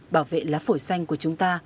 bảo vệ lá phổi xanh của chúng ta